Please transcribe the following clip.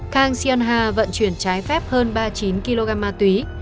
kang sion ha vận chuyển trái phép hơn ba mươi chín kg ma túy